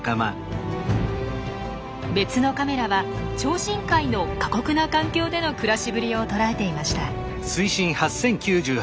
別のカメラは超深海の過酷な環境での暮らしぶりを捉えていました。